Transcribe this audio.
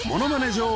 女王